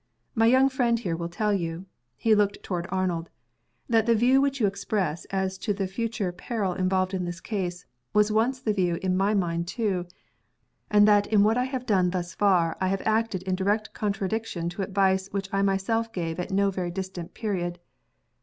My young friend here will tell you" (he looked toward Arnold) "that the view which you express as to the future peril involved in this case was once the view in my mind too, and that in what I have done thus far I have acted in direct contradiction to advice which I myself gave at no very distant period.